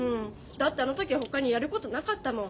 だってあの時はほかにやることなかったもん。